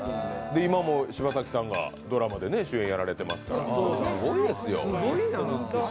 今も柴咲さんがドラマで主演やられてますからすごいですよ。